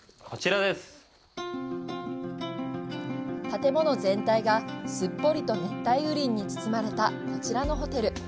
建物全体が、すっぽりと熱帯雨林に包まれたこちらのホテル。